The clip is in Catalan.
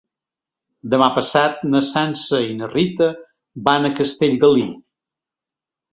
Demà passat na Sança i na Rita van a Castellgalí.